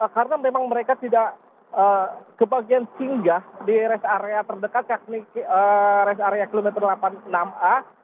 karena memang mereka tidak kebagian singgah di rest area terdekat yakni rest area kilometer delapan puluh enam a